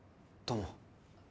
どうも